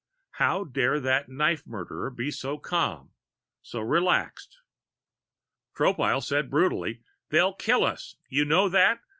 How dared that knife murderer be so calm, so relaxed! Tropile said brutally: "They'll kill us! You know that?